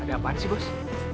ada apaan sih bos